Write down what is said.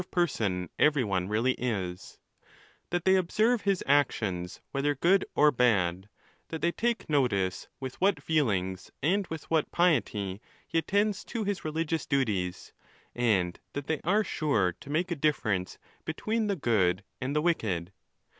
of person every one really is; that they observe his actions, whether good or bad; that they take notice with what feelings and with what piety he attends to his religious duties, and that they are sure to make a difference between the good and the wicked.